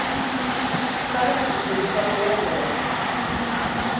Fágana cumprir porque é un dereito.